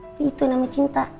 tapi itu yang namanya cinta